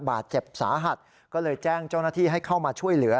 บาดเจ็บสาหัสก็เลยแจ้งเจ้าหน้าที่ให้เข้ามาช่วยเหลือ